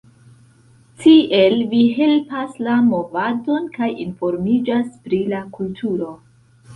Tiel vi helpas la movadon kaj informiĝas pri la kulturo.